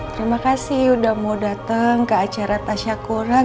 terima kasih udah mau datang ke acara tasya kurang